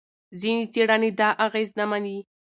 ځینې څېړنې دا اغېز نه مني.